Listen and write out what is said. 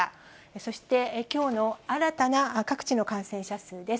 そして、きょうの新たな各地の感染者数です。